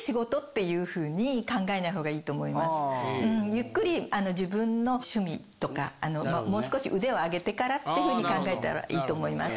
ゆっくり自分の趣味とかもう少し腕を上げてからってふうに考えたらいいと思います。